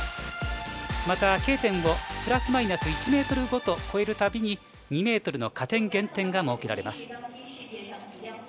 またＫ点プラスマイナス１ｍごと越えるたびに２ｍの加点、減点が設けられます。